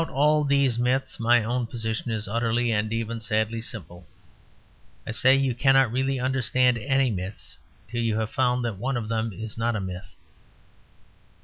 About all these myths my own position is utterly and even sadly simple. I say you cannot really understand any myths till you have found that one of them is not a myth.